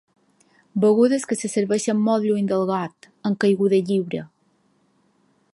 Begudes que se serveixen molt lluny del got, en caiguda lliure.